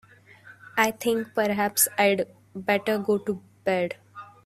I think perhaps I'd better go to bed.